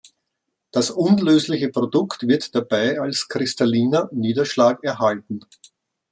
Das unlösliche Produkt wird dabei als kristalliner Niederschlag erhalten.